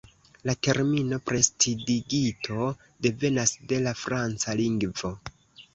La termino "prestidigito" devenas de la franca lingvo.